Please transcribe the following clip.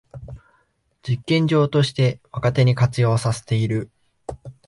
実験場として若手に活用させている